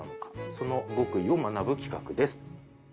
その極意を学ぶ企画です。